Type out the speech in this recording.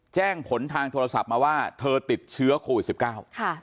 แจ้งผลทางโทรศัพท์มาว่าเธอติดเชื้อโควิด๑๙